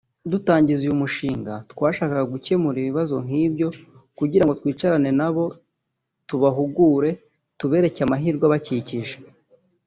Dutangiza uyu mushinga twashagakaga gukemura ibibazo nk’ibyo kugira ngo twicarane na bo tubahugure tubereke amahirwe abakikije